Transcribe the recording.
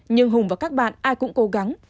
nhưng hùng và các bạn ai cũng cố gắng